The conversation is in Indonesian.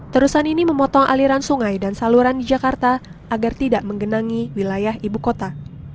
terusan ini memotong aliran sungai dan saluran di jakarta agar tidak menggenangi wilayah ibu kota